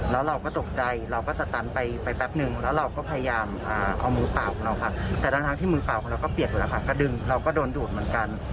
แล้วเราก็ตกใจเราก็สตันไปแป๊บนึงแล้วเราก็พยายามเอามือเปล่าของเราค่ะแต่ทั้งที่มือเปล่าของเราก็เปียกหมดแล้วค่ะก็ดึงเราก็โดนดูดเหมือนกัน